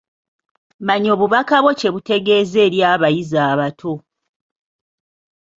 Manya obubaka obwo kye butegeeza eri abayizi abato.